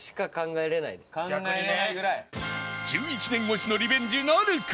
１１年越しのリベンジなるか！？